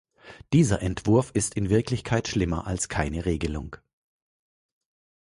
Dieser Entwurf ist in Wirklichkeit schlimmer als keine Regelung.